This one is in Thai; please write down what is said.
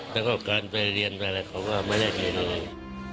แล้วก็การเรียนไปเราก็ไม่ได้เรียนออกเรื่อง